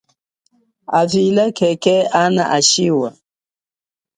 Avila khekhe ana a shiwa.